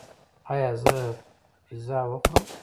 ایا زه پیزا وخورم؟